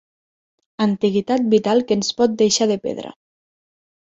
Antiguitat vital que ens pot deixar de pedra.